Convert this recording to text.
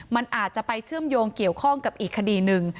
มันอาจจะไปเชื่อมโยงเกี่ยวข้องกับอีกคดีหนึ่ง